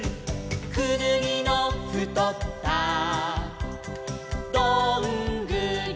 「くぬぎのふとったどんぐりは」